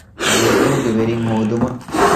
ރުއްގަހުގެ ވެރިން ހޯދުމަށް